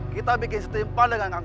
kita bikin setimpa dengan kang gobang